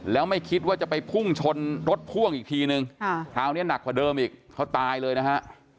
แล้วไม่คิดว่าจะไปพุ่งชนรถพ่วงอีกทีนึงคราวนี้หนักกว่าเดิมอีกเขาตายเลยนะฮะ